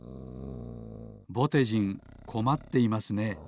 ぼてじんこまっていますね。